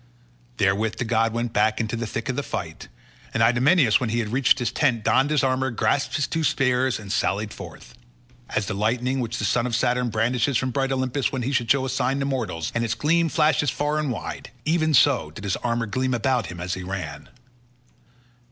Therewith the god went back into the thick of the fight, and Idomeneus when he had reached his tent donned his armour, grasped his two spears, and sallied forth. As the lightning which the son of Saturn brandishes from bright Olympus when he would show a sign to mortals, and its gleam flashes far and wide—even so did his armour gleam about him as he ran.